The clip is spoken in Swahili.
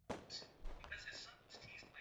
kutokana na hali ngumu ya uchumi tuliokuwa nayo